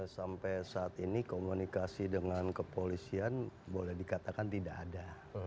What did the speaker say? sampai saat ini komunikasi dengan kepolisian boleh dikatakan tidak ada